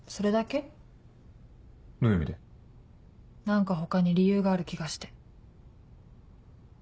何か他に理由がある気がして。